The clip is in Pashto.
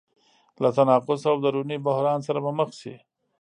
له تناقض او دروني بحران سره به مخ شي.